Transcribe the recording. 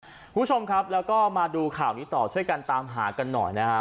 คุณผู้ชมครับแล้วก็มาดูข่าวนี้ต่อช่วยกันตามหากันหน่อยนะฮะ